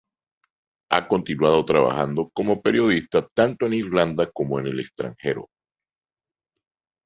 Ha continuado trabajando como periodista tanto en Irlanda como en el extranjero.